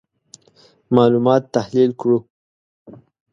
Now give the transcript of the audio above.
معلومات تحلیل کړو.